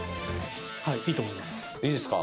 いいですか？